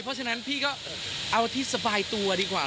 เพราะฉะนั้นพี่ก็เอาที่สบายตัวดีกว่า